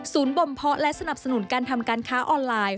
บ่มเพาะและสนับสนุนการทำการค้าออนไลน์